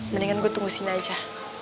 mendingan gue tunggu sini aja